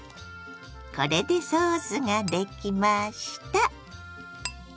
これでソースができました。